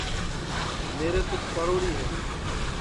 میرے چُک پڑوڑی ہے